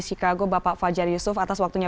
chicago bapak fajar yusuf atas waktunya